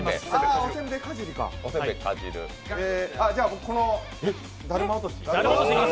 僕、だるま落とし。